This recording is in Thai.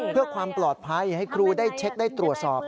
เพื่อความปลอดภัยให้ครูได้เช็คได้ตรวจสอบ